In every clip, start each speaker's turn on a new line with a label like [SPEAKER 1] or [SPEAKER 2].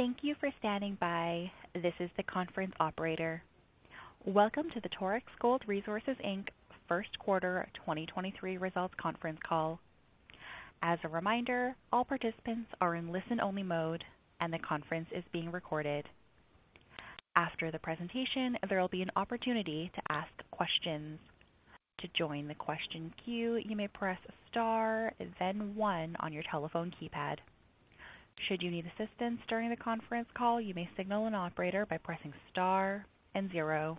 [SPEAKER 1] Thank you for standing by. This is the conference operator. Welcome to the Torex Gold Resources Inc. First Quarter 2023 Results Conference Call. As a reminder, all participants are in listen-only mode, and the conference is being recorded. After the presentation, there will be an opportunity to ask questions. To join the question queue, you may press star then one on your telephone keypad. Should you need assistance during the conference call, you may signal an operator by pressing star and zero.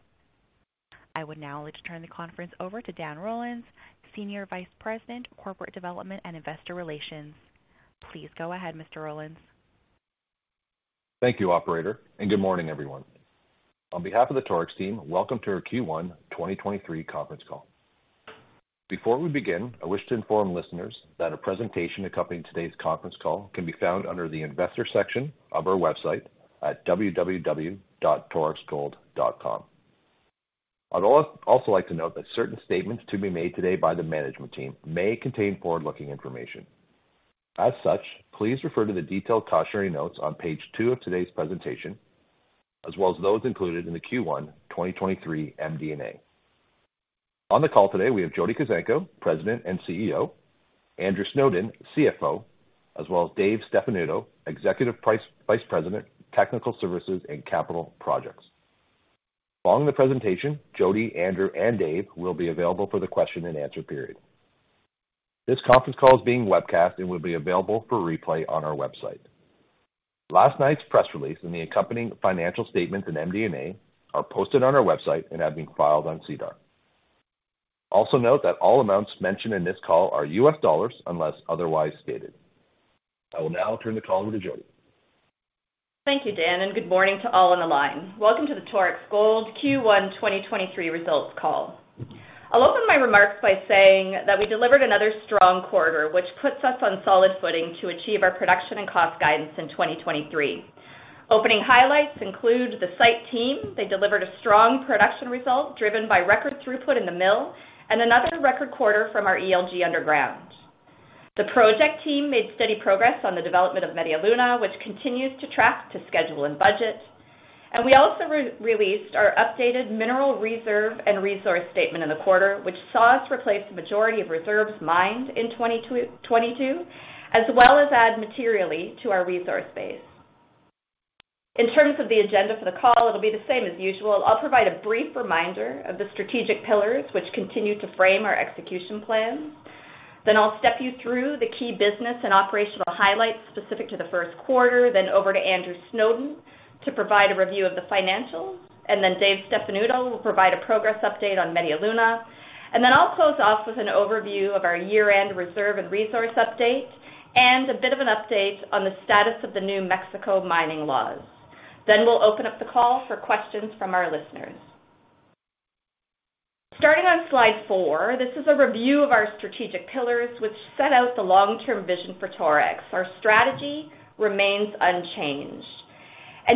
[SPEAKER 1] I would now like to turn the conference over to Dan Rollins, Senior Vice President, Corporate Development and Investor Relations. Please go ahead, Mr. Rollins.
[SPEAKER 2] Thank you, operator, and good morning, everyone. On behalf of the Torex team, welcome to our Q1 2023 conference call. Before we begin, I wish to inform listeners that a presentation accompanying today's conference call can be found under the Investor section of our website at www.torexgold.com. I'd also like to note that certain statements to be made today by the management team may contain forward-looking information. As such, please refer to the detailed cautionary notes on page 2 of today's presentation, as well as those included in the Q1 2023 MD&A. On the call today, we have Jody Kuzenko, President and CEO, Andrew Snowden, CFO, as well as Dave Stefanuto, Executive Vice President, Technical Services and Capital Projects. Following the presentation, Jody, Andrew, and Dave will be available for the question-and-answer period. This conference call is being webcast and will be available for replay on our website. Last night's press release and the accompanying financial statements and MD&A are posted on our website and have been filed on SEDAR. Also note that all amounts mentioned in this call are US dollars unless otherwise stated. I will now turn the call over to Jody.
[SPEAKER 3] Thank you, Dan. Good morning to all on the line. Welcome to the Torex Gold Q1 2023 results call. I'll open my remarks by saying that we delivered another strong quarter, which puts us on solid footing to achieve our production and cost guidance in 2023. Opening highlights include the site team. They delivered a strong production result driven by record throughput in the mill and another record quarter from our ELG Underground. The project team made steady progress on the development of Media Luna, which continues to track to schedule and budget. We also re-released our updated mineral reserve and resource statement in the quarter, which saw us replace the majority of reserves mined in 2022, as well as add materially to our resource base. In terms of the agenda for the call, it'll be the same as usual. I'll provide a brief reminder of the strategic pillars which continue to frame our execution plans. I'll step you through the key business and operational highlights specific to the first quarter. Then over to Andrew Snowden to provide a review of the financials. Dave Stefanuto will provide a progress update on Media Luna. I'll close off with an overview of our year-end reserve and resource update and a bit of an update on the status of the Mexico mining laws. We'll open up the call for questions from our listeners. Starting on slide 4, this is a review of our strategic pillars, which set out the long-term vision for Torex. Our strategy remains unchanged.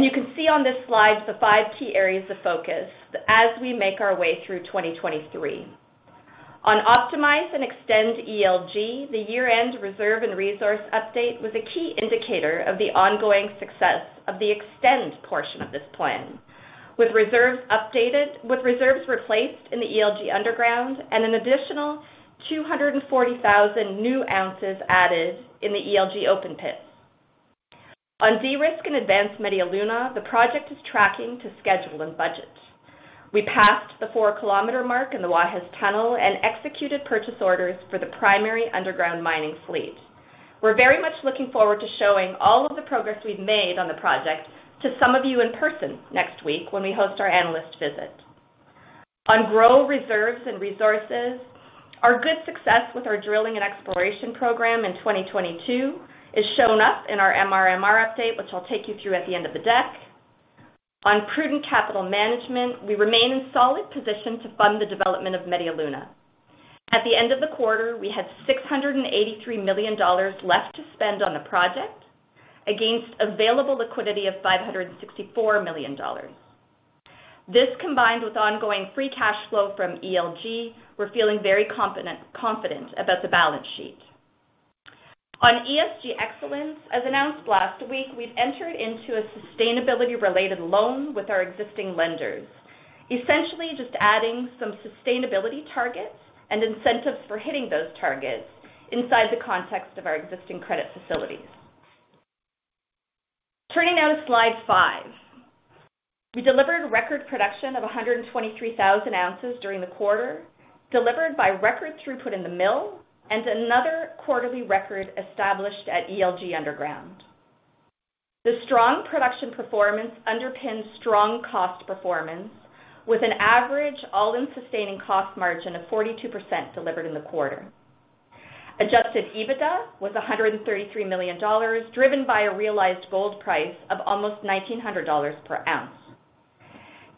[SPEAKER 3] You can see on this slide the 5 key areas of focus as we make our way through 2023. On optimize and extend ELG, the year-end reserve and resource update was a key indicator of the ongoing success of the extend portion of this plan. With reserves replaced in the ELG Underground and an additional 240,000 new ounces added in the ELG open pits. On de-risk and advance Media Luna, the project is tracking to schedule and budget. We passed the 4-kilometer mark in the Guajes Tunnel and executed purchase orders for the primary underground mining fleet. We're very much looking forward to showing all of the progress we've made on the project to some of you in person next week when we host our analyst visit. On grow reserves and resources, our good success with our drilling and exploration program in 2022 is shown up in our MRMR update, which I'll take you through at the end of the deck. On prudent capital management, we remain in solid position to fund the development of Media Luna. At the end of the quarter, we had $683 million left to spend on the project against available liquidity of $564 million. This combined with ongoing free cash flow from ELG, we're feeling very confident about the balance sheet. On ESG excellence, as announced last week, we've entered into a sustainability-related loan with our existing lenders, essentially just adding some sustainability targets and incentives for hitting those targets inside the context of our existing credit facilities. Turning now to slide five. We delivered record production of 123,000 ounces during the quarter, delivered by record throughput in the mill and another quarterly record established at ELG Underground. The strong production performance underpinned strong cost performance with an average all-in sustaining cost margin of 42% delivered in the quarter. Adjusted EBITDA was $133 million, driven by a realized gold price of almost $1,900 per ounce.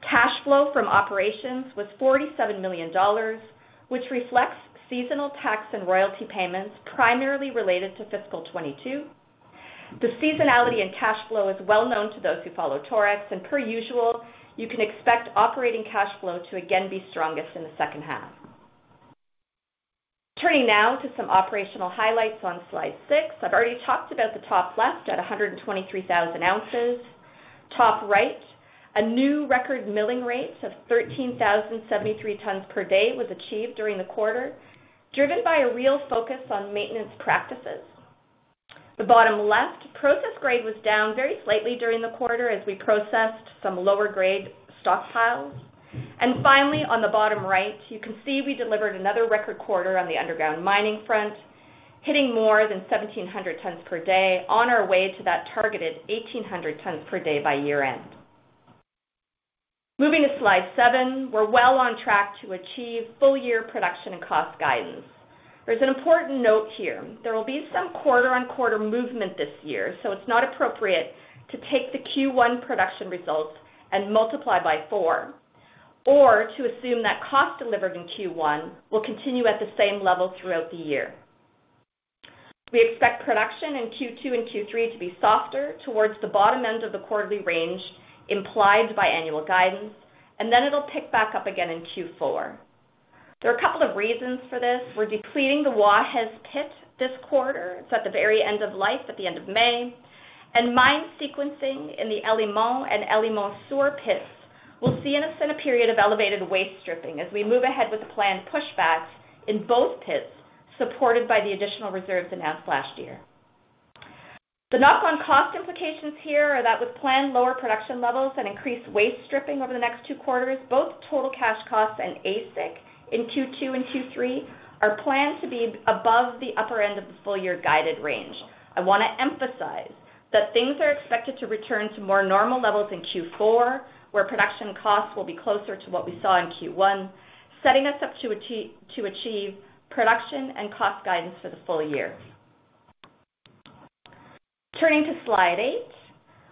[SPEAKER 3] Cash flow from operations was $47 million, which reflects seasonal tax and royalty payments primarily related to fiscal 2022. The seasonality in cash flow is well known to those who follow Torex. Per usual, you can expect operating cash flow to again be strongest in the second half. Turning now to some operational highlights on slide 6. I've already talked about the top left at 123,000 ounces. Top right, a new record milling rate of 13,073 tons per day was achieved during the quarter, driven by a real focus on maintenance practices. The bottom left, process grade was down very slightly during the quarter as we processed some lower grade stockpiles. Finally, on the bottom right, you can see we delivered another record quarter on the underground mining front, hitting more than 1,700 tons per day on our way to that targeted 1,800 tons per day by year-end. Moving to slide 7. We're well on track to achieve full year production and cost guidance. There's an important note here. There will be some quarter-on-quarter movement this year, so it's not appropriate to take the Q1 production results and multiply by four, or to assume that cost delivered in Q1 will continue at the same level throughout the year. We expect production in Q2 and Q3 to be softer towards the bottom end of the quarterly range implied by annual guidance, and then it'll pick back up again in Q4. There are a couple of reasons for this. We're depleting the Guajes pit this quarter. It's at the very end of life at the end of May. Mine sequencing in the El Limón and El Limón Sur pits will see us in a period of elevated waste stripping as we move ahead with the planned push backs in both pits, supported by the additional reserves announced last year. The knock-on cost implications here are that with planned lower production levels and increased waste stripping over the next two quarters, both total cash costs and AISC in Q2 and Q3 are planned to be above the upper end of the full year guided range. I wanna emphasize that things are expected to return to more normal levels in Q4, where production costs will be closer to what we saw in Q1, setting us up to achieve production and cost guidance for the full year. Turning to slide 8.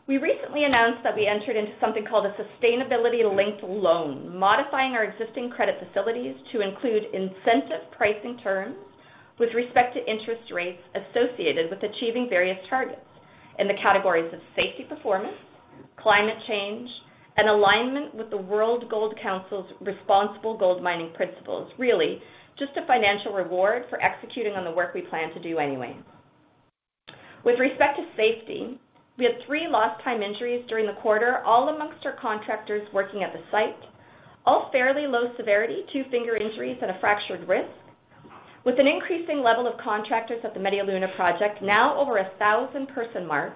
[SPEAKER 3] We recently announced that we entered into something called a sustainability-linked loan, modifying our existing credit facilities to include incentive pricing terms with respect to interest rates associated with achieving various targets in the categories of safety performance, climate change, and alignment with the World Gold Council's Responsible Gold Mining Principles. Really just a financial reward for executing on the work we plan to do anyway. With respect to safety, we had three lost time injuries during the quarter, all amongst our contractors working at the site. All fairly low severity, two finger injuries and a fractured wrist. With an increasing level of contractors at the Media Luna project, now over a 1,000 person mark,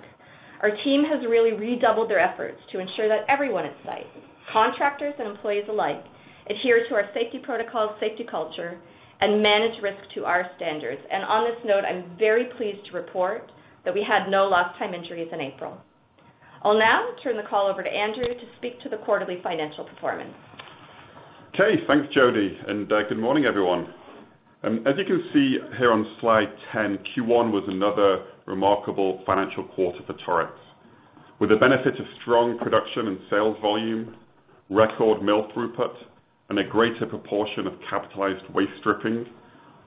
[SPEAKER 3] our team has really redoubled their efforts to ensure that everyone at site, contractors and employees alike, adhere to our safety protocols, safety culture, and manage risk to our standards. On this note, I'm very pleased to report that we had no lost time injuries in April. I'll now turn the call over to Andrew to speak to the quarterly financial performance.
[SPEAKER 4] Okay, thanks Jody. Good morning, everyone. As you can see here on slide 10, Q1 was another remarkable financial quarter for Torex. With the benefit of strong production and sales volume, record mill throughput, and a greater proportion of capitalized waste stripping,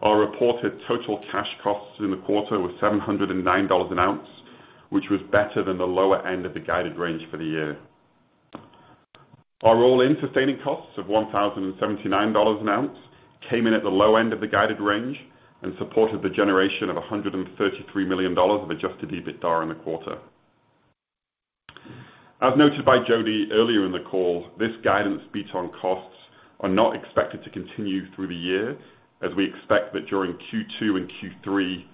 [SPEAKER 4] our reported total cash costs in the quarter were $709 an ounce, which was better than the lower end of the guided range for the year. Our all-in sustaining costs of $1,079 an ounce came in at the low end of the guided range and supported the generation of $133 million of adjusted EBITDA in the quarter. As noted by Jody earlier in the call, this guidance beat on costs are not expected to continue through the year, as we expect that during Q2 and Q3,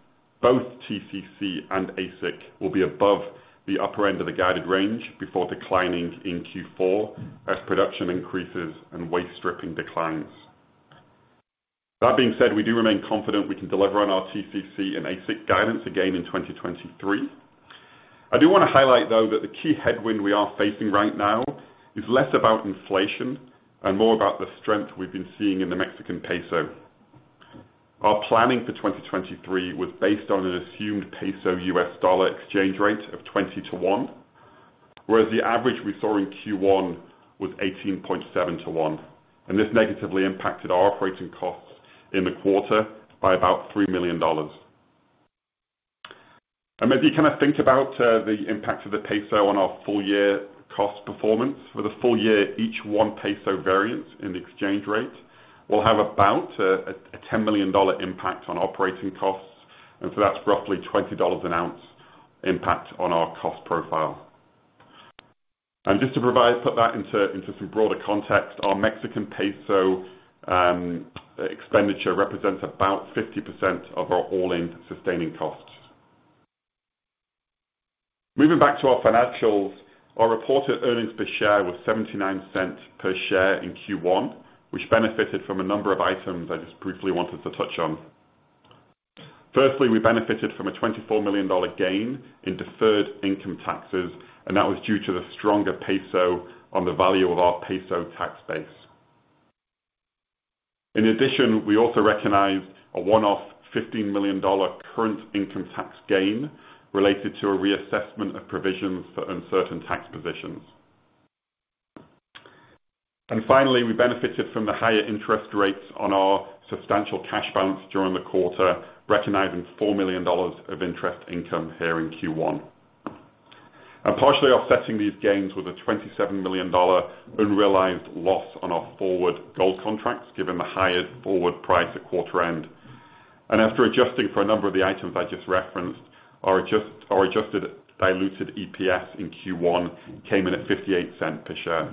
[SPEAKER 4] both TCC and AISC will be above the upper end of the guided range before declining in Q4 as production increases and waste stripping declines. That being said, we do remain confident we can deliver on our TCC and AISC guidance again in 2023. I do wanna highlight though, that the key headwind we are facing right now is less about inflation and more about the strength we've been seeing in the Mexican peso. Our planning for 2023 was based on an assumed peso U.S. dollar exchange rate of 20 to $1, whereas the average we saw in Q1 was 18.7 to $1. This negatively impacted our operating costs in the quarter by about $3 million. If you kinda think about the impact of the peso on our full year cost performance. For the full year, each 1 peso variance in the exchange rate will have about a $10 million impact on operating costs. That's roughly $20 an ounce impact on our cost profile. Just to put that into some broader context, our Mexican peso expenditure represents about 50% of our all-in sustaining costs. Moving back to our financials, our reported earnings per share was $0.79 per share in Q1, which benefited from a number of items I just briefly wanted to touch on. Firstly, we benefited from a $24 million gain in deferred income taxes, and that was due to the stronger peso on the value of our peso tax base. In addition, we also recognized a one-off $15 million current income tax gain related to a reassessment of provisions for uncertain tax positions. Finally, we benefited from the higher interest rates on our substantial cash balance during the quarter, recognizing $4 million of interest income here in Q1. Partially offsetting these gains with a $27 million unrealized loss on our forward gold contracts, given the higher forward price at quarter end. After adjusting for a number of the items I just referenced, our adjusted diluted EPS in Q1 came in at $0.58 per share.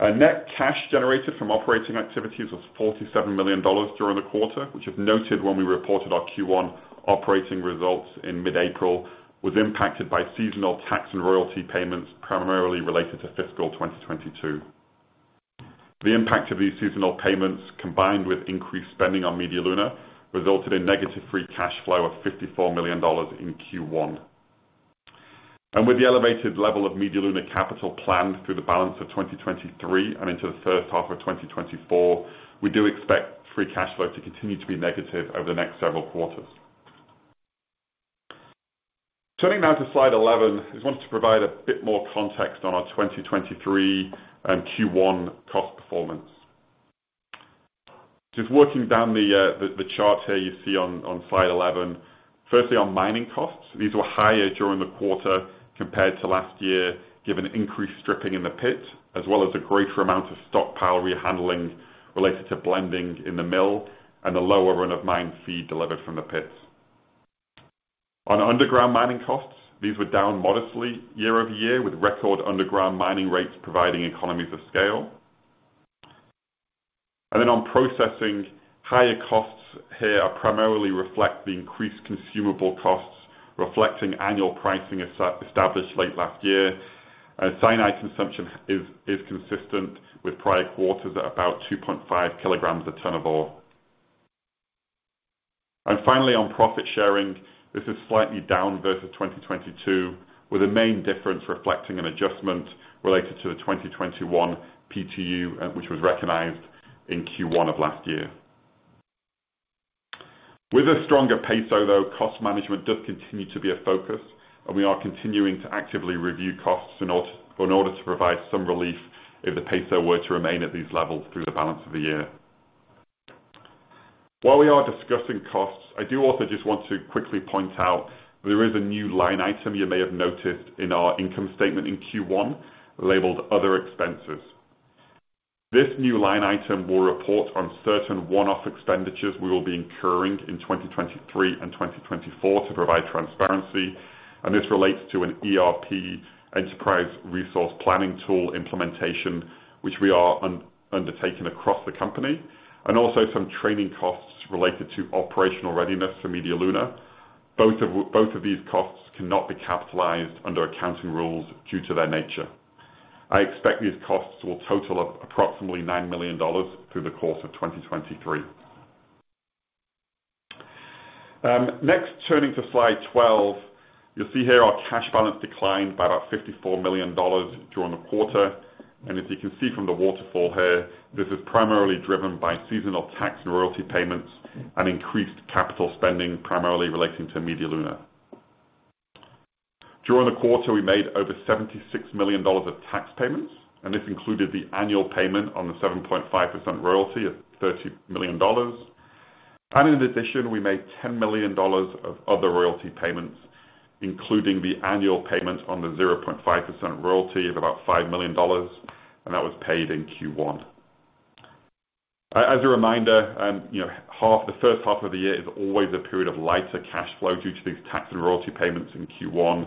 [SPEAKER 4] Net cash generated from operating activities was $47 million during the quarter, which is noted when we reported our Q1 operating results in mid-April, was impacted by seasonal tax and royalty payments primarily related to fiscal 2022. The impact of these seasonal payments, combined with increased spending on Media Luna, resulted in negative free cash flow of $54 million in Q1. With the elevated level of Media Luna capital planned through the balance of 2023 and into the first half of 2024, we do expect free cash flow to continue to be negative over the next several quarters. Turning now to slide 11, I just wanted to provide a bit more context on our 2023 and Q1 cost performance. Just working down the chart here you see on slide 11. Firstly, on mining costs, these were higher during the quarter compared to last year, given increased stripping in the pits, as well as a greater amount of stockpile rehandling related to blending in the mill and the lower run of mine feed delivered from the pits. On underground mining costs, these were down modestly year-over-year, with record underground mining rates providing economies of scale. On processing, higher costs here primarily reflect the increased consumable costs, reflecting annual pricing established late last year. Cyanide consumption is consistent with prior quarters at about 2.5 kilograms of ton of ore. Finally, on profit sharing, this is slightly down versus 2022, with the main difference reflecting an adjustment related to the 2021 PTU, which was recognized in Q1 of last year. With a stronger peso, though, cost management does continue to be a focus, and we are continuing to actively review costs in order to provide some relief if the peso were to remain at these levels through the balance of the year. While we are discussing costs, I do also just want to quickly point out there is a new line item you may have noticed in our income statement in Q1 labeled Other Expenses. This new line item will report on certain one-off expenditures we will be incurring in 2023 and 2024 to provide transparency, and this relates to an ERP, Enterprise Resource Planning tool implementation, which we are undertaking across the company, and also some training costs related to operational readiness for Media Luna. Both of these costs cannot be capitalized under accounting rules due to their nature. I expect these costs will total up approximately $9 million through the course of 2023. Next, turning to slide 12, you'll see here our cash balance declined by about $54 million during the quarter. As you can see from the waterfall here, this is primarily driven by seasonal tax and royalty payments and increased capital spending, primarily relating to Media Luna. During the quarter, we made over $76 million of tax payments, and this included the annual payment on the 7.5% royalty of $30 million. In addition, we made $10 million of other royalty payments, including the annual payment on the 0.5% royalty of about $5 million, and that was paid in Q1. As a reminder, you know, the first half of the year is always a period of lighter cash flow due to these tax and royalty payments in Q1,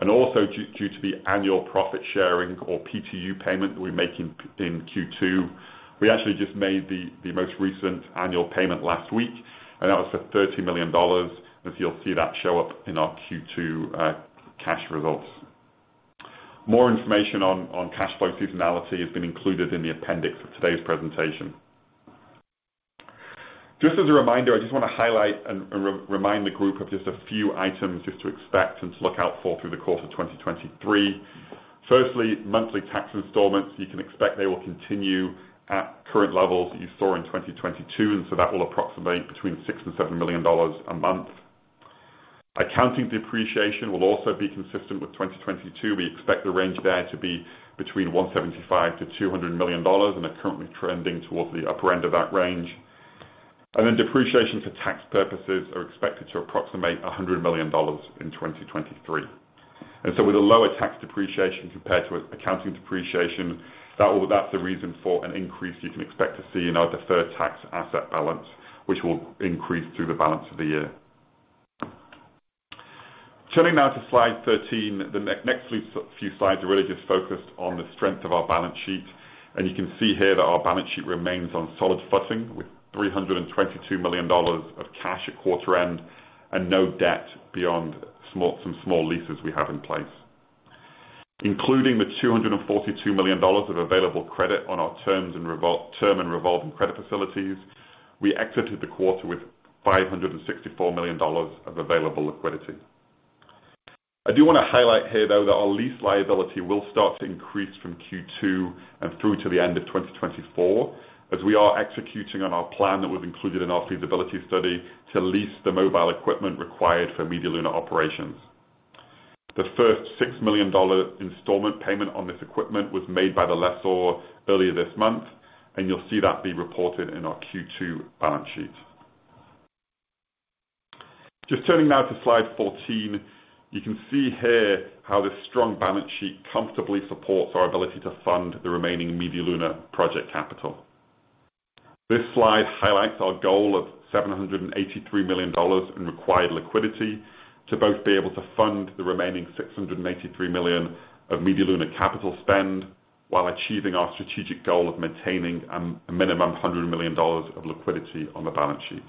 [SPEAKER 4] and also due to the annual profit sharing or PTU payment we make in Q2. We actually just made the most recent annual payment last week, and that was for $30 million, and so you'll see that show up in our Q2 cash results. More information on cash flow seasonality has been included in the appendix of today's presentation. Just as a reminder, I just wanna highlight and remind the group of just a few items just to expect and to look out for through the course of 2023. Firstly, monthly tax installments, you can expect they will continue at current levels that you saw in 2022, that will approximate between $6 million-$7 million a month. Accounting depreciation will also be consistent with 2022. We expect the range there to be between $175 million-$200 million, are currently trending towards the upper end of that range. Depreciation for tax purposes are expected to approximate $100 million in 2023. With a lower tax depreciation compared to accounting depreciation, that's the reason for an increase you can expect to see in our deferred tax asset balance, which will increase through the balance of the year. Turning now to slide 13. The next few slides are really just focused on the strength of our balance sheet. You can see here that our balance sheet remains on solid footing with $322 million of cash at quarter end and no debt beyond small, some small leases we have in place. Including the $242 million of available credit on our term and revolving credit facilities, we exited the quarter with $564 million of available liquidity. I do wanna highlight here, though, that our lease liability will start to increase from Q2 and through to the end of 2024, as we are executing on our plan that was included in our feasibility study to lease the mobile equipment required for Media Luna operations. The first $6 million installment payment on this equipment was made by the lessor earlier this month. You'll see that be reported in our Q2 balance sheet. Just turning now to slide 14. You can see here how this strong balance sheet comfortably supports our ability to fund the remaining Media Luna project capital. This slide highlights our goal of $783 million in required liquidity to both be able to fund the remaining $683 million of Media Luna capital spend while achieving our strategic goal of maintaining a minimum $100 million of liquidity on the balance sheet.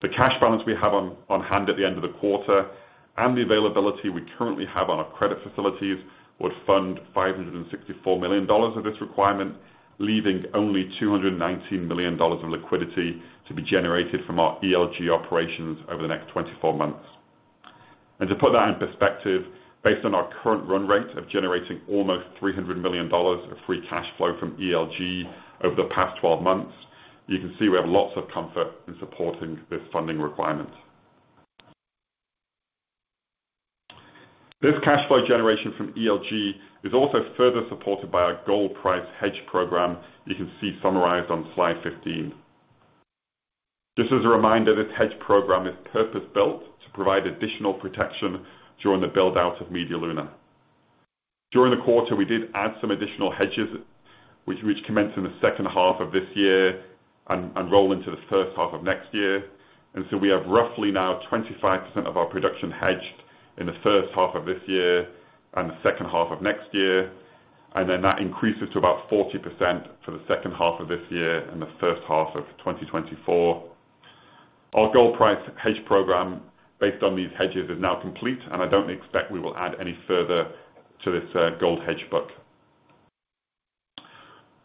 [SPEAKER 4] The cash balance we have on hand at the end of the quarter and the availability we currently have on our credit facilities would fund $564 million of this requirement, leaving only $219 million of liquidity to be generated from our ELG operations over the next 24 months. To put that in perspective, based on our current run rate of generating almost $300 million of free cash flow from ELG over the past 12 months, you can see we have lots of comfort in supporting this funding requirement. This cash flow generation from ELG is also further supported by our gold price hedge program you can see summarized on slide 15. Just as a reminder, this hedge program is purpose-built to provide additional protection during the build-out of Media Luna. During the quarter, we did add some additional hedges which commence in the second half of this year and roll into the first half of next year. We have roughly now 25% of our production hedged in the first half of this year and the second half of next year, that increases to about 40% for the second half of this year and the first half of 2024. Our gold price hedge program based on these hedges is now complete. I don't expect we will add any further to this gold hedge book.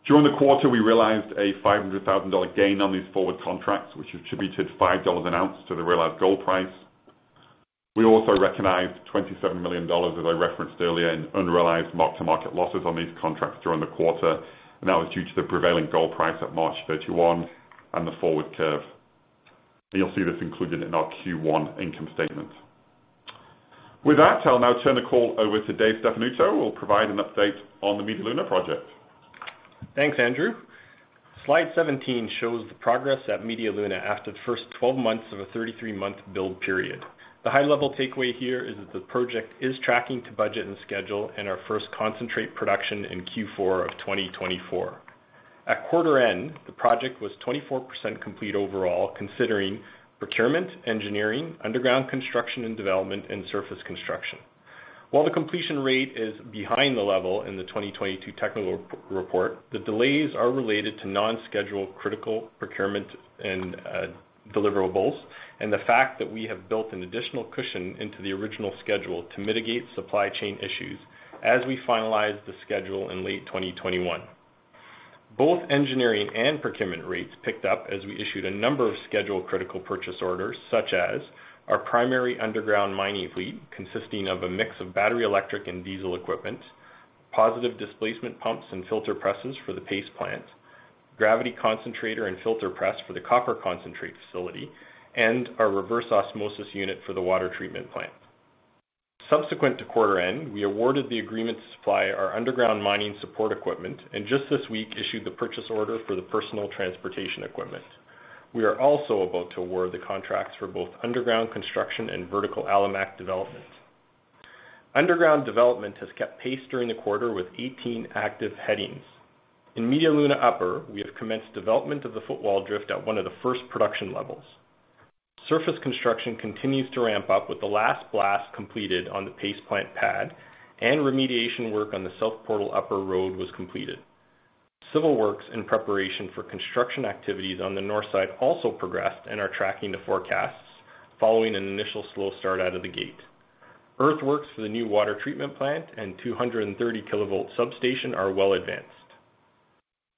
[SPEAKER 4] During the quarter, we realized a $500,000 gain on these forward contracts, which attributed $5 an ounce to the realized gold price. We also recognized $27 million, as I referenced earlier, in unrealized mark-to-market losses on these contracts during the quarter, that was due to the prevailing gold price at March 31 and the forward curve. You'll see this included in our Q1 income statement. With that, I'll now turn the call over to Dave Stefanuto, who will provide an update on the Media Luna project.
[SPEAKER 5] Thanks, Andrew. Slide 17 shows the progress at Media Luna after the first 12 months of a 33-month build period. The high-level takeaway here is that the project is tracking to budget and schedule and our first concentrate production in Q4 of 2024. At quarter end, the project was 24% complete overall considering procurement, engineering, underground construction and development, and surface construction. While the completion rate is behind the level in the 2022 technical re-report, the delays are related to non-schedule critical procurement and deliverables, and the fact that we have built an additional cushion into the original schedule to mitigate supply chain issues as we finalized the schedule in late 2021. Both engineering and procurement rates picked up as we issued a number of schedule critical purchase orders, such as our primary underground mining fleet, consisting of a mix of battery, electric, and diesel equipment, positive displacement pumps and filter presses for the paste plant, gravity concentrator and filter press for the copper concentrate facility, and our reverse osmosis unit for the water treatment plant. Subsequent to quarter end, we awarded the agreement to supply our underground mining support equipment, and just this week issued the purchase order for the personal transportation equipment. We are also about to award the contracts for both underground construction and vertical Alimak development. Underground development has kept pace during the quarter with 18 active headings. In Media Luna Upper, we have commenced development of the footwall drift at one of the first production levels. Surface construction continues to ramp up with the last blast completed on the paste plant pad and remediation work on the south portal upper road was completed. Civil works in preparation for construction activities on the north side also progressed and are tracking the forecasts following an initial slow start out of the gate. Earthworks for the new water treatment plant and 230 kilovolt substation are well advanced.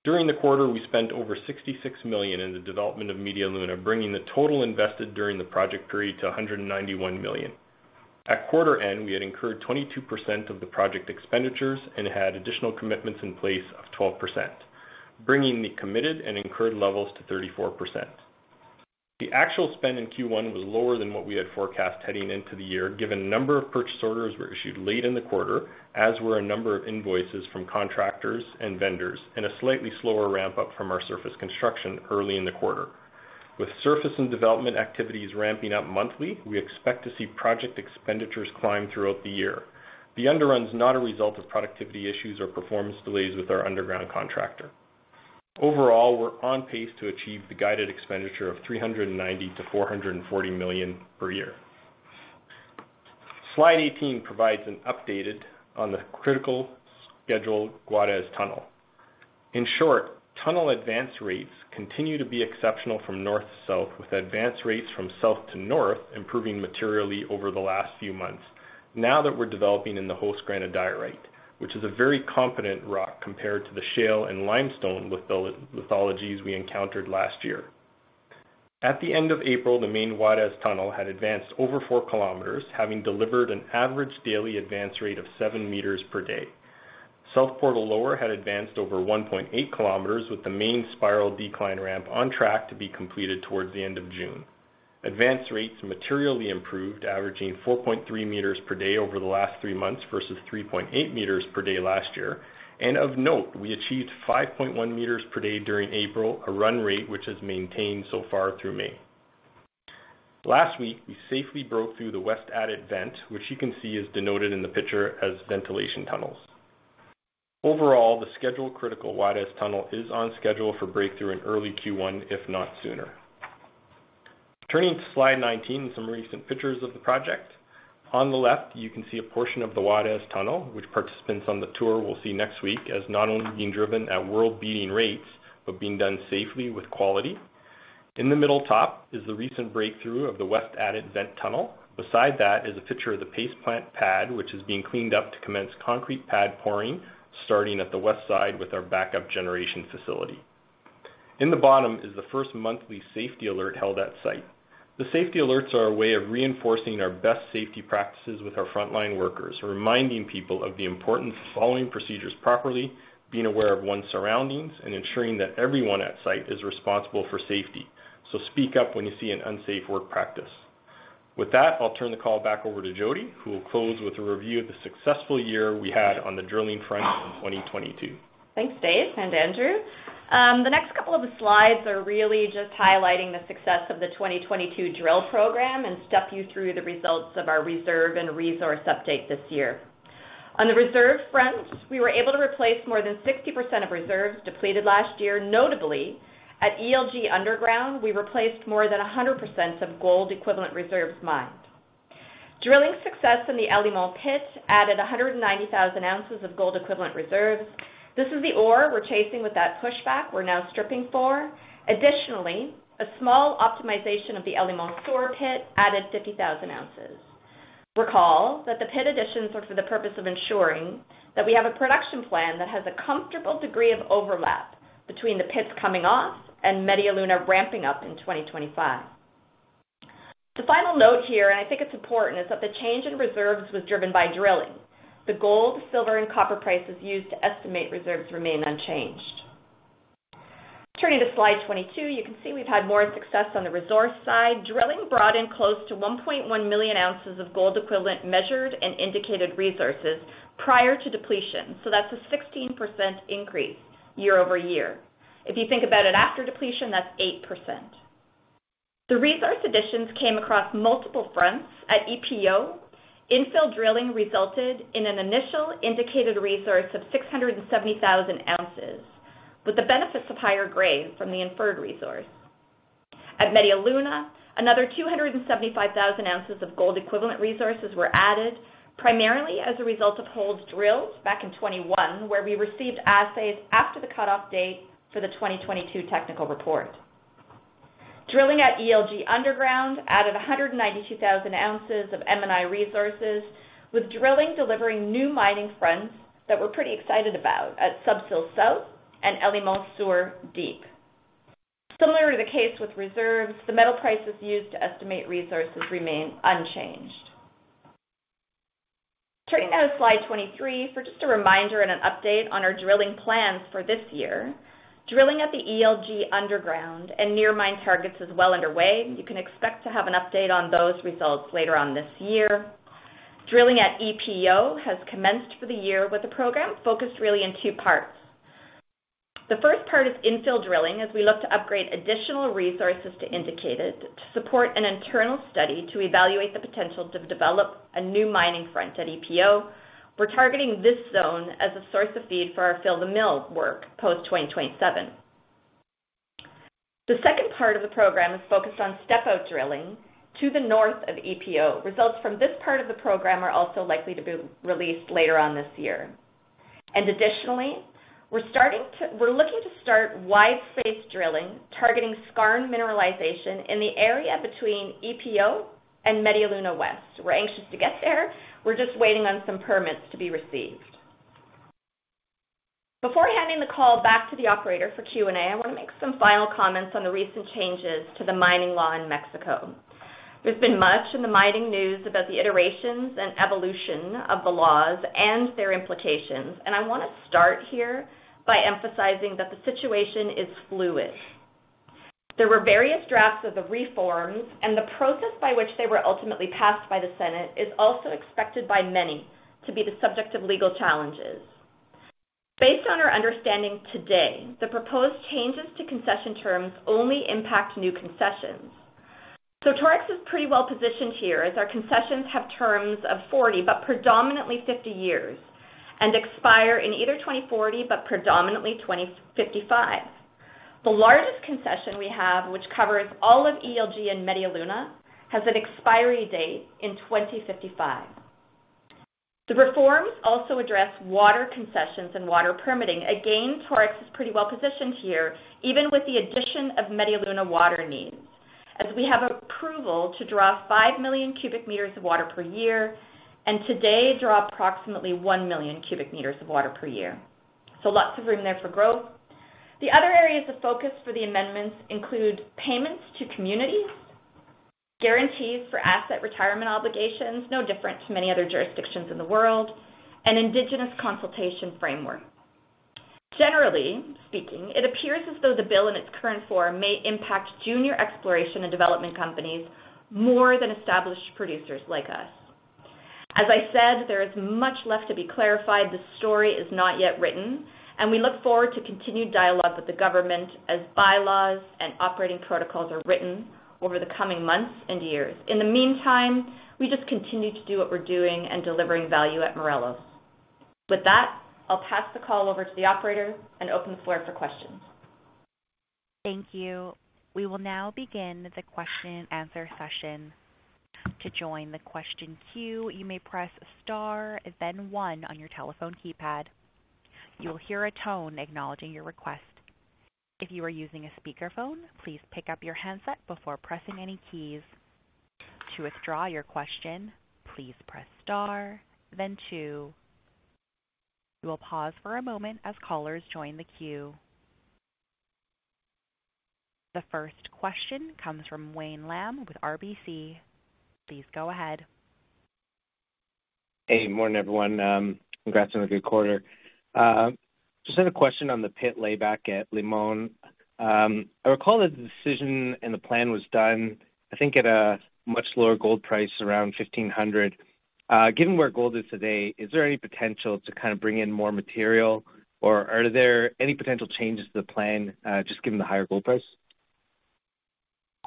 [SPEAKER 5] During the quarter, we spent over $66 million in the development of Media Luna, bringing the total invested during the project period to $191 million. At quarter end, we had incurred 22% of the project expenditures and had additional commitments in place of 12%, bringing the committed and incurred levels to 34%. The actual spend in Q1 was lower than what we had forecast heading into the year, given a number of purchase orders were issued late in the quarter, as were a number of invoices from contractors and vendors and a slightly slower ramp-up from our surface construction early in the quarter. With surface and development activities ramping up monthly, we expect to see project expenditures climb throughout the year. The underrun is not a result of productivity issues or performance delays with our underground contractor. Overall, we're on pace to achieve the guided expenditure of $390 million-$440 million per year. Slide 18 provides an updated on the critical scheduled Guajes Tunnel. In short, tunnel advance rates continue to be exceptional from north to south, with advance rates from south to north improving materially over the last few months now that we're developing in the host granodiorite, which is a very competent rock compared to the shale and limestone lithologies we encountered last year. At the end of April, the main Guajes Tunnel had advanced over 4 km, having delivered an average daily advance rate of 7 m per day. South portal lower had advanced over 1.8 km, with the main spiral decline ramp on track to be completed towards the end of June. Advance rates materially improved, averaging 4.3 m per day over the last 3 months versus 3.8 m per day last year. Of note, we achieved 5.1 m per day during April, a run rate which has maintained so far through May. Last week, we safely broke through the West adit vent, which you can see is denoted in the picture as ventilation tunnels. Overall, the schedule critical Guajes Tunnel is on schedule for breakthrough in early Q1, if not sooner. Turning to slide 19, some recent pictures of the project. On the left, you can see a portion of the Guajes Tunnel, which participants on the tour will see next week as not only being driven at world-beating rates, but being done safely with quality. In the middle top is the recent breakthrough of the West adit vent tunnel. Beside that is a picture of the paste plant pad, which is being cleaned up to commence concrete pad pouring, starting at the west side with our backup generation facility. In the bottom is the first monthly safety alert held at site. The safety alerts are a way of reinforcing our best safety practices with our frontline workers, reminding people of the importance of following procedures properly, being aware of one's surroundings, and ensuring that everyone at site is responsible for safety. Speak up when you see an unsafe work practice. With that, I'll turn the call back over to Jody, who will close with a review of the successful year we had on the drilling front in 2022.
[SPEAKER 3] Thanks, Dave and Andrew. The next couple of slides are really just highlighting the success of the 2022 drill program and step you through the results of our reserve and resource update this year. On the reserve front, we were able to replace more than 60% of reserves depleted last year. Notably, at ELG Underground, we replaced more than 100% of gold equivalent reserves mined. Drilling success in the El Limón pit added 190,000 ounces of gold equivalent reserves. This is the ore we're chasing with that push back we're now stripping for. Additionally, a small optimization of the El Limón Sur pit added 50,000 ounces. Recall that the pit additions were for the purpose of ensuring that we have a production plan that has a comfortable degree of overlap between the pits coming off and Media Luna ramping up in 2025. The final note here, and I think it's important, is that the change in reserves was driven by drilling. The gold, silver, and copper prices used to estimate reserves remain unchanged. Turning to slide 22, you can see we've had more success on the resource side. Drilling brought in close to 1.1 million ounces of gold equivalent measured and indicated resources prior to depletion. That's a 16% increase year-over-year. If you think about it after depletion, that's 8%. The resource additions came across multiple fronts. At EPO, infill drilling resulted in an initial indicated resource of 670,000 ounces, with the benefits of higher grades from the inferred resource. At Media Luna, another 275,000 ounces of gold equivalent resources were added, primarily as a result of holes drilled back in 2021, where we received assays after the cutoff date for the 2022 technical report. Drilling at ELG Underground added 192,000 ounces of M&I resources, with drilling delivering new mining fronts that we're pretty excited about at Sub-Sill South and El Limón Sur Deep. Similar to the case with reserves, the metal prices used to estimate resources remain unchanged. Turning now to slide 23 for just a reminder and an update on our drilling plans for this year. Drilling at the ELG Underground and near-mine targets is well underway. You can expect to have an update on those results later on this year. Drilling at EPO has commenced for the year with a program focused really in two parts. The first part is infill drilling as we look to upgrade additional resources to indicated to support an internal study to evaluate the potential to develop a new mining front at EPO. We're targeting this zone as a source of feed for our fill the mill work post 2027. The second part of the program is focused on step-out drilling to the north of EPO. Results from this part of the program are also likely to be released later on this year. Additionally, we're looking to start wide-faced drilling, targeting skarn mineralization in the area between EPO and Media Luna West. We're anxious to get there. We're just waiting on some permits to be received. Before handing the call back to the operator for Q&A, I want to make some final comments on the recent changes to the mining law in Mexico. There's been much in the mining news about the iterations and evolution of the laws and their implications, and I want to start here by emphasizing that the situation is fluid. There were various drafts of the reforms, and the process by which they were ultimately passed by the Senate is also expected by many to be the subject of legal challenges. Based on our understanding today, the proposed changes to concession terms only impact new concessions. Torex is pretty well-positioned here, as our concessions have terms of 40, but predominantly 50 years, and expire in either 2040, but predominantly 2055. The largest concession we have, which covers all of ELG and Media Luna, has an expiry date in 2055. The reforms also address water concessions and water permitting. Torex is pretty well-positioned here, even with the addition of Media Luna water needs, as we have approval to draw 5 million cubic meters of water per year, and today draw approximately 1 million cubic meters of water per year. Lots of room there for growth. The other areas of focus for the amendments include payments to communities, guarantees for asset retirement obligations, no different to many other jurisdictions in the world, and indigenous consultation framework. Generally speaking, it appears as though the bill in its current form may impact junior exploration and development companies more than established producers like us. As I said, there is much left to be clarified. The story is not yet written. We look forward to continued dialogue with the government as bylaws and operating protocols are written over the coming months and years. In the meantime, we just continue to do what we're doing and delivering value at Morelos. With that, I'll pass the call over to the operator and open the floor for questions.
[SPEAKER 1] Thank you. We will now begin the question-and-answer session. To join the question queue, you may press star then one on your telephone keypad. You will hear a tone acknowledging your request. If you are using a speakerphone, please pick up your handset before pressing any keys. To withdraw your question, please press star then two. We will pause for a moment as callers join the queue. The first question comes from Wayne Lam with RBC. Please go ahead.
[SPEAKER 6] Hey, morning, everyone. Congrats on a good quarter. Just had a question on the pit layback at El Limón. I recall that the decision and the plan was done, I think, at a much lower gold price, around $1,500. Given where gold is today, is there any potential to kind of bring in more material? Or are there any potential changes to the plan, just given the higher gold price?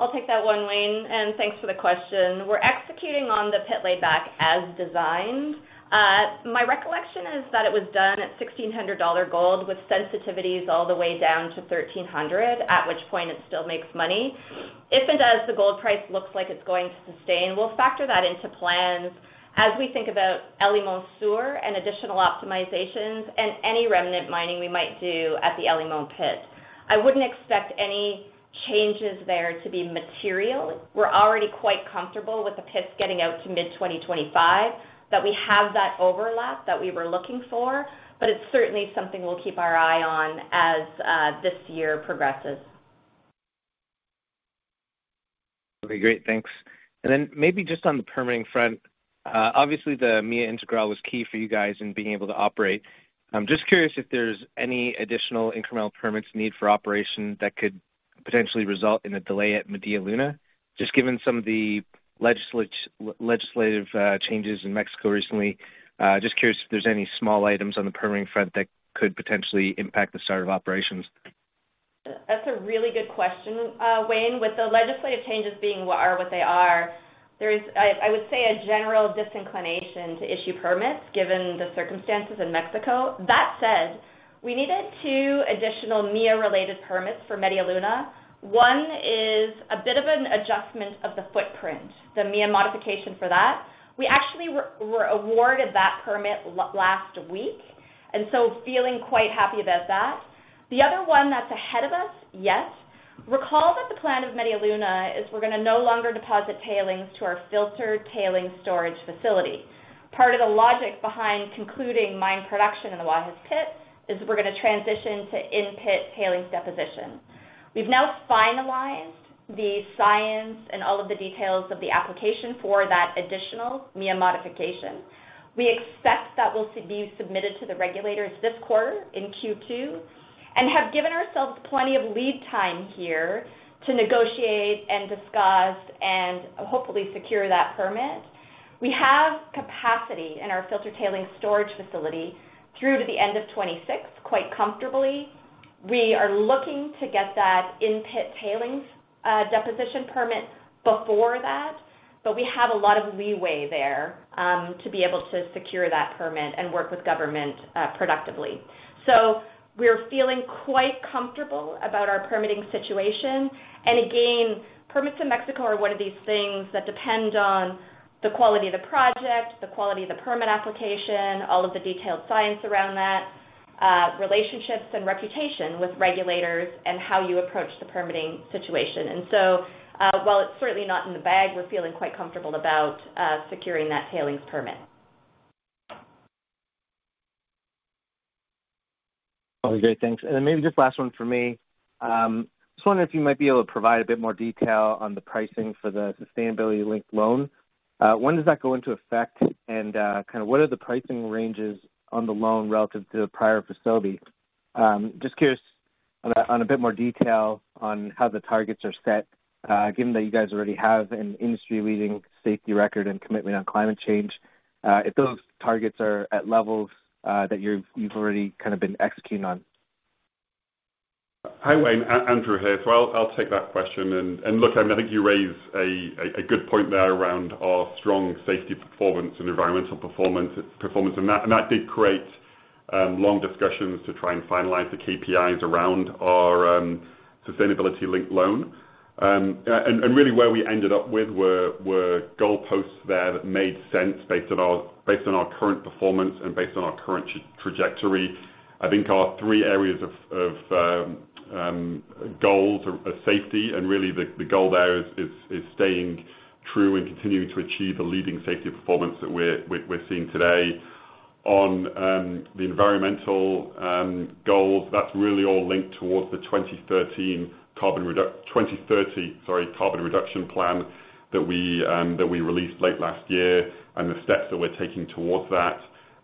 [SPEAKER 3] I'll take that one, Wayne, and thanks for the question. We're executing on the pit layback as designed. My recollection is that it was done at $1,600 gold with sensitivities all the way down to $1,300, at which point it still makes money. If it does, the gold price looks like it's going to sustain, we'll factor that into plans as we think about El Limón Sur and additional optimizations and any remnant mining we might do at the El Limón pit. I wouldn't expect any changes there to be material. We're already quite comfortable with the pits getting out to mid-2025, that we have that overlap that we were looking for, but it's certainly something we'll keep our eye on as this year progresses.
[SPEAKER 6] Okay, great. Thanks. Then maybe just on the permitting front, obviously the MIA Integral was key for you guys in being able to operate. I'm just curious if there's any additional incremental permits need for operation that could potentially result in a delay at Media Luna. Just given some of the legislative changes in Mexico recently, just curious if there's any small items on the permitting front that could potentially impact the start of operations.
[SPEAKER 3] That's a really good question, Wayne. With the legislative changes being what they are, there is, I would say, a general disinclination to issue permits given the circumstances in Mexico. We needed two additional MIA-related permits for Media Luna. One is a bit of an adjustment of the footprint, the MIA modification for that. We actually were awarded that permit last week, feeling quite happy about that. The other one that's ahead of us, yes. Recall that the plan of Media Luna is we're going to no longer deposit tailings to our filtered tailings storage facility. Part of the logic behind concluding mine production in the Guajes pit is we're going to transition to in-pit tailings deposition. We've now finalized the science and all of the details of the application for that additional MIA modification. We expect that will be submitted to the regulators this quarter in Q2, and have given ourselves plenty of lead time here to negotiate and discuss and hopefully secure that permit. We have capacity in our filter tailings storage facility through to the end of 2026 quite comfortably. We are looking to get that in-pit tailings deposition permit before that, but we have a lot of leeway there to be able to secure that permit and work with government productively. We're feeling quite comfortable about our permitting situation. Again, permits in Mexico are one of these things that depend on the quality of the project, the quality of the permit application, all of the detailed science around that, relationships and reputation with regulators and how you approach the permitting situation. While it's certainly not in the bag, we're feeling quite comfortable about securing that tailings permit.
[SPEAKER 6] Okay, great. Thanks. Maybe just last one from me. Just wondering if you might be able to provide a bit more detail on the pricing for the sustainability-linked loan. When does that go into effect? What are the pricing ranges on the loan relative to the prior facilities? Just curious on a bit more detail on how the targets are set, given that you guys already have an industry-leading safety record and commitment on climate change, if those targets are at levels that you've already kind of been executing on.
[SPEAKER 4] Hi, Wayne. Andrew here. I'll take that question. Look, I mean, I think you raise a good point there around our strong safety performance and environmental performance. That did create long discussions to try and finalize the KPIs around our sustainability-linked loan. Really where we ended up with were goal posts there that made sense based on our current performance and based on our current trajectory. I think our three areas of goals are safety, and really the goal there is staying true and continuing to achieve a leading safety performance that we're seeing today. On the environmental goals, that's really all linked towards the 2030 carbon reduction plan that we that we released late last year and the steps that we're taking towards that.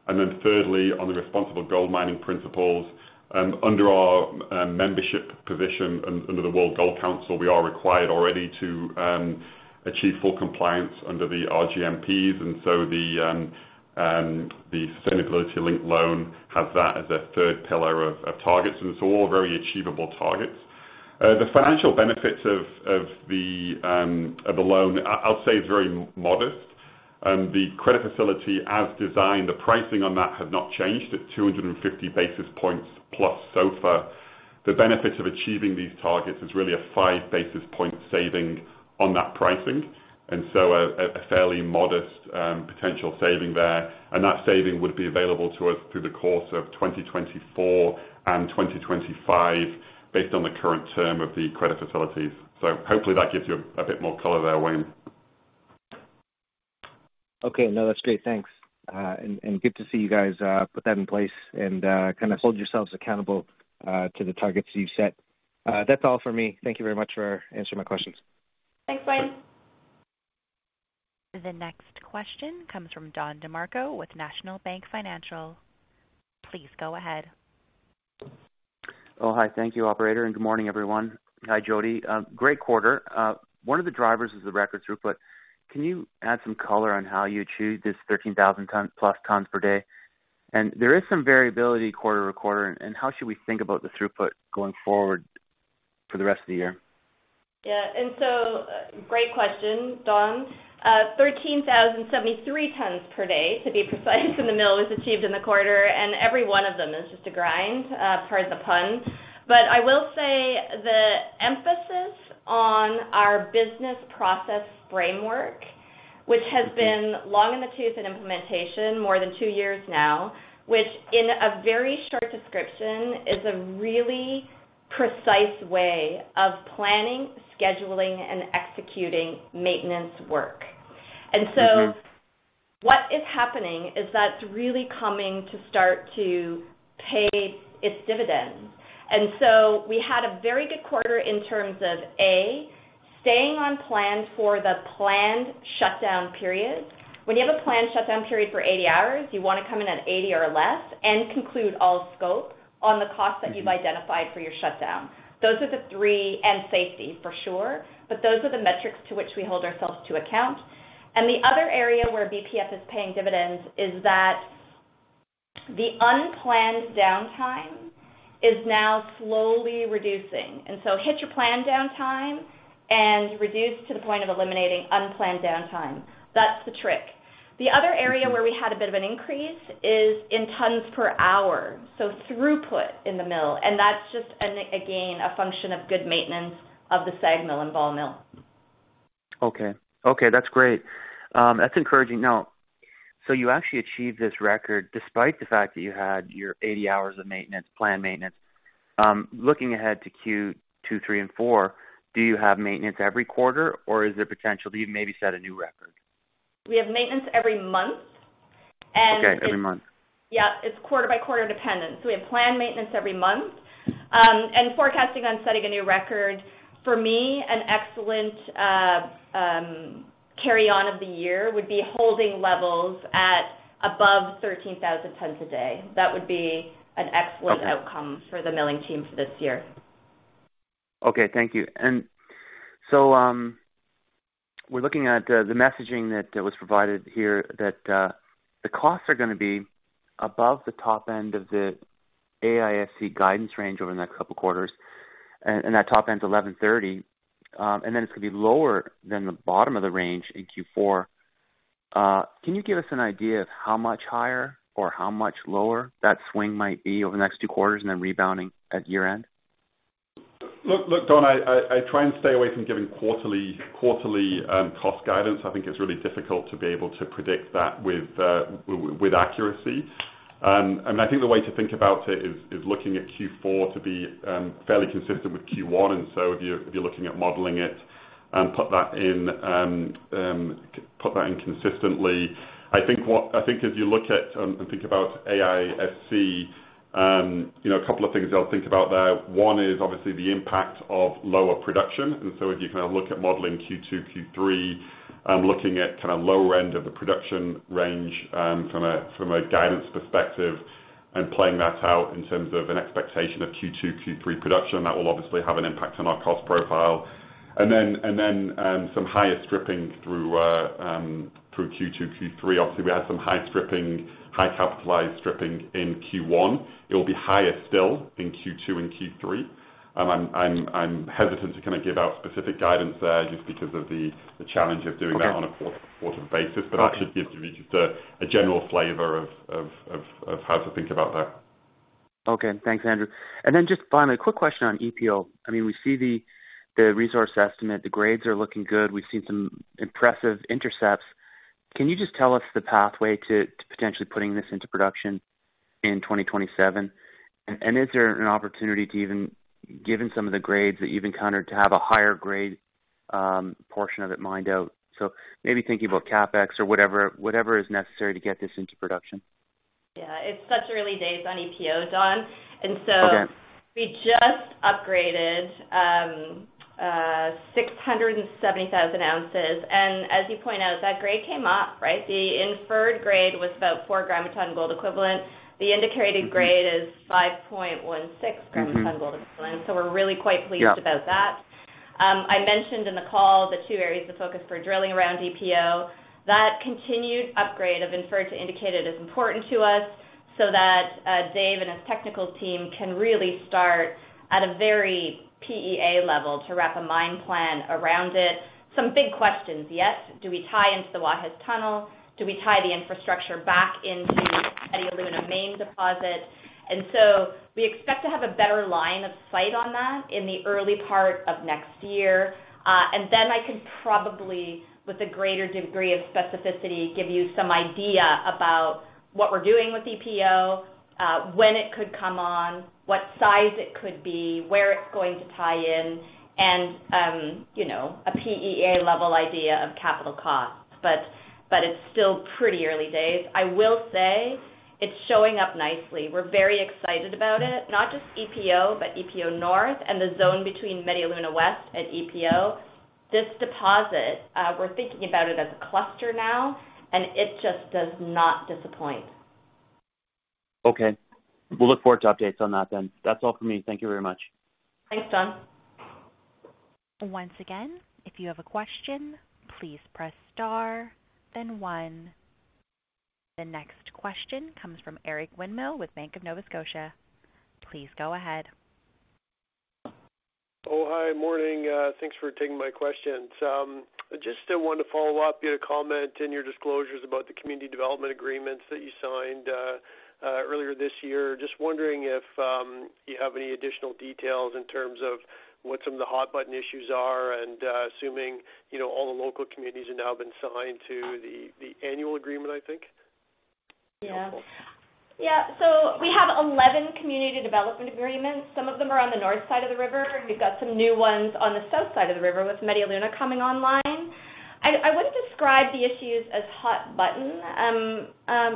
[SPEAKER 4] Thirdly, on the Responsible Gold Mining Principles, under our membership position and under the World Gold Council, we are required already to achieve full compliance under the RGMPs. The sustainability-linked loan has that as a third pillar of targets, and it's all very achievable targets. The financial benefits of the loan, I'll say it's very modest. The credit facility as designed, the pricing on that has not changed. It's 250 basis points plus SOFR. The benefit of achieving these targets is really a 5 basis point saving on that pricing, and so a fairly modest potential saving there. That saving would be available to us through the course of 2024 and 2025 based on the current term of the credit facilities. Hopefully that gives you a bit more color there, Wayne.
[SPEAKER 6] Okay. No, that's great. Thanks. Good to see you guys put that in place and kind of hold yourselves accountable to the targets you've set. That's all for me. Thank you very much for answering my questions.
[SPEAKER 3] Thanks, Wayne.
[SPEAKER 1] The next question comes from Don DeMarco with National Bank Financial. Please go ahead.
[SPEAKER 7] Oh, hi. Thank you, operator, and good morning, everyone. Hi, Jody. Great quarter. one of the drivers is the record throughput. Can you add some color on how you achieved this 13,000+ tons per day? There is some variability quarter-over-quarter, and how should we think about the throughput going forward for the rest of the year?
[SPEAKER 3] Yeah. Great question, Don. 13,073 tons per day to be precise in the mill was achieved in the quarter, and every one of them is just a grind, pardon the pun. I will say the emphasis on our business process framework, which has been long in the tooth in implementation, more than two years now, which in a very short description is a really precise way of planning, scheduling, and executing maintenance work. What is happening is that's really coming to start to pay its dividends. We had a very good quarter in terms of, A, staying on plan for the planned shutdown period. When you have a planned shutdown period for 80 hours, you wanna come in at 80 or less and conclude all scope on the cost that you've identified for your shutdown. Those are the three, and safety for sure, but those are the metrics to which we hold ourselves to account. The other area where BPF is paying dividends is that the unplanned downtime is now slowly reducing. Hit your planned downtime and reduce to the point of eliminating unplanned downtime. That's the trick. The other area where we had a bit of an increase is in tons per hour, so throughput in the mill. That's just again a function of good maintenance of the SAG mill and ball mill.
[SPEAKER 7] Okay. Okay, that's great. That's encouraging. So you actually achieved this record despite the fact that you had your 80 hours of maintenance, planned maintenance. Looking ahead to Q2, Q3, and Q4, do you have maintenance every quarter, or is there potential to even maybe set a new record?
[SPEAKER 3] We have maintenance every month.
[SPEAKER 7] Okay, every month.
[SPEAKER 3] Yeah, it's quarter by quarter dependent. We have planned maintenance every month. Forecasting on setting a new record, for me, an excellent carry on of the year would be holding levels at above 13,000 tons a day. That would be an excellent outcome for the milling teams this year.
[SPEAKER 7] Okay, thank you. We're looking at the messaging that was provided here that the costs are gonna be above the top end of the AISC guidance range over the next couple quarters. That top end is $1,130. Then it's gonna be lower than the bottom of the range in Q4. Can you give us an idea of how much higher or how much lower that swing might be over the next two quarters and then rebounding at year-end?
[SPEAKER 4] Look, Don, I try and stay away from giving quarterly cost guidance. I think it's really difficult to be able to predict that with accuracy. I mean, I think the way to think about it is looking at Q4 to be fairly consistent with Q1. If you're looking at modeling it, put that in consistently. I think as you look at and think about AISC, you know, a couple of things to think about there. One is obviously the impact of lower production. If you kind of look at modeling Q2, Q3, looking at kind of lower end of the production range, from a guidance perspective and playing that out in terms of an expectation of Q2, Q3 production, that will obviously have an impact on our cost profile. Then, some higher stripping through Q2, Q3. Obviously, we had some high stripping, high capitalized stripping in Q1. It will be higher still in Q2 and Q3. I'm hesitant to kind of give out specific guidance there just because of the challenge of doing that on a quarter basis.
[SPEAKER 7] Got it.
[SPEAKER 4] That should give you just a general flavor of how to think about that.
[SPEAKER 7] Okay. Thanks, Andrew. Just finally, a quick question on EPO. I mean, we see the resource estimate. The grades are looking good. We've seen some impressive intercepts. Can you just tell us the pathway to potentially putting this into production in 2027? Is there an opportunity to even, given some of the grades that you've encountered, to have a higher grade portion of it mined out? Maybe thinking about CapEx or whatever is necessary to get this into production.
[SPEAKER 3] Yeah. It's such early days on EPO, Don. We just upgraded 670,000 ounces. As you point out, that grade came up, right? The inferred grade was about 4 gram of ton gold equivalent. The indicated grade is 5.16 gram of ton gold equivalent. We're really quite pleased about that. I mentioned in the call the two areas of focus for drilling around EPO. That continued upgrade of inferred to indicated is important to us so that Dave and his technical team can really start at a very PEA level to wrap a mine plan around it. Some big questions, yes. Do we tie into the Guajes Tunnel? Do we tie the infrastructure back into the Media Luna main deposit? We expect to have a better line of sight on that in the early part of next year. I can probably, with a greater degree of specificity, give you some idea about what we're doing with EPO, when it could come on, what size it could be, where it's going to tie in, and, you know, a PEA level idea of capital costs. It's still pretty early days. I will say it's showing up nicely. We're very excited about it. Not just EPO, but EPO North and the zone between Media Luna West and EPO. This deposit, we're thinking about it as a cluster now, it just does not disappoint.
[SPEAKER 7] Okay. We'll look forward to updates on that then. That's all for me. Thank you very much.
[SPEAKER 3] Thanks, Don.
[SPEAKER 1] Once again, if you have a question, please press star, then one. The next question comes from Eric Winmill with Bank of Nova Scotia. Please go ahead.
[SPEAKER 8] Oh, hi. Morning. Thanks for taking my questions. Just want to follow up your comment in your disclosures about the community development agreements that you signed earlier this year. Just wondering if you have any additional details in terms of what some of the hot button issues are and, assuming, you know, all the local communities have now been signed to the annual agreement, I think?
[SPEAKER 3] Yeah. Yeah. We have 11 community development agreements. Some of them are on the north side of the river. We've got some new ones on the south side of the river with Media Luna coming online. I wouldn't describe the issues as hot button,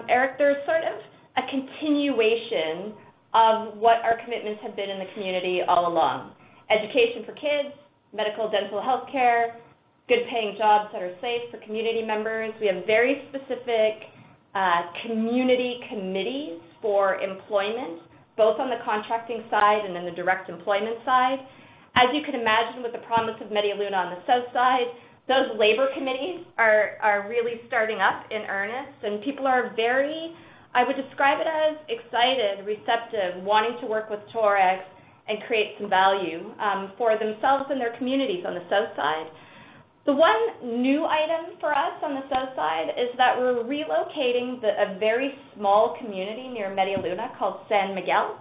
[SPEAKER 3] Eric. They're sort of a continuation of what our commitments have been in the community all along. Education for kids, medical, dental healthcare, good paying jobs that are safe for community members. We have very specific community committees for employment, both on the contracting side and then the direct employment side. As you can imagine, with the promise of Media Luna on the south side, those labor committees are really starting up in earnest and people are very, I would describe it as excited, receptive, wanting to work with Torex and create some value for themselves and their communities on the south side. The one new item for us on the south side is that we're relocating a very small community near Media Luna called San Miguel.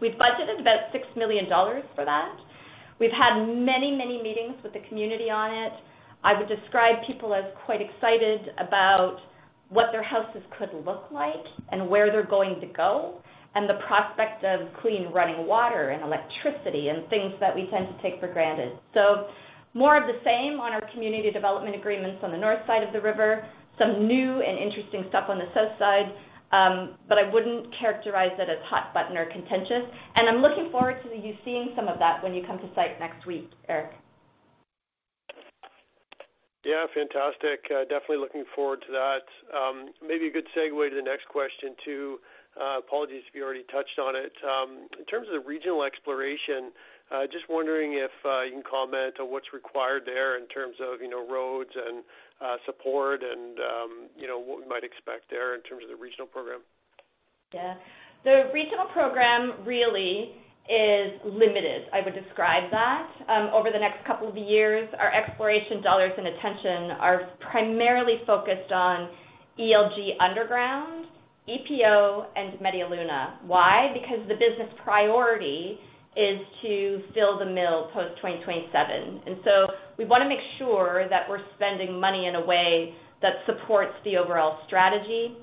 [SPEAKER 3] We've budgeted about $6 million for that. We've had many meetings with the community on it. I would describe people as quite excited about what their houses could look like and where they're going to go, and the prospect of clean running water and electricity and things that we tend to take for granted. More of the same on our community development agreements on the north side of the river, some new and interesting stuff on the south side. I wouldn't characterize it as hot button or contentious. I'm looking forward to you seeing some of that when you come to site next week, Eric.
[SPEAKER 8] Fantastic. Definitely looking forward to that. Maybe a good segue to the next question, too. Apologies if you already touched on it. In terms of regional exploration, just wondering if you can comment on what's required there in terms of, you know, roads and support and, you know, what we might expect there in terms of the regional program.
[SPEAKER 3] Yeah. The regional program really is limited, I would describe that. Over the next couple of years, our exploration dollars and attention are primarily focused on ELG Underground, EPO and Media Luna. Why? Because the business priority is to fill the mill post 2027. We wanna make sure that we're spending money in a way that supports the overall strategy.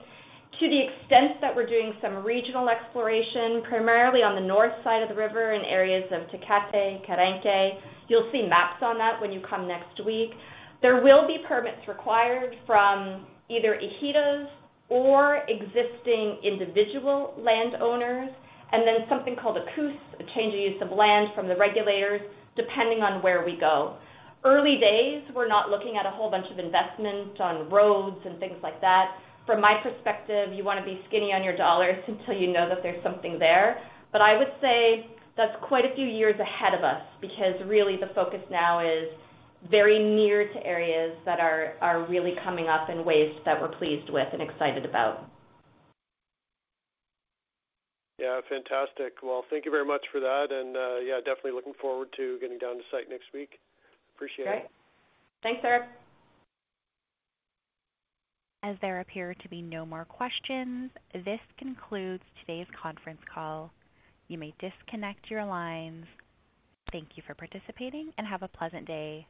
[SPEAKER 3] To the extent that we're doing some regional exploration, primarily on the north side of the river in areas of Tecate, Querengue, you'll see maps on that when you come next week. There will be permits required from either Ejidos or existing individual landowners, and then something called a CUS, a change of use of land from the regulators, depending on where we go. Early days, we're not looking at a whole bunch of investments on roads and things like that. From my perspective, you wanna be skinny on your dollars until you know that there's something there. I would say that's quite a few years ahead of us because really the focus now is very near to areas that are really coming up in ways that we're pleased with and excited about.
[SPEAKER 8] Yeah, fantastic. Well, thank you very much for that. Yeah, definitely looking forward to getting down to site next week. Appreciate it.
[SPEAKER 3] Great. Thanks, Eric.
[SPEAKER 1] As there appear to be no more questions, this concludes today's conference call. You may disconnect your lines. Thank you for participating and have a pleasant day.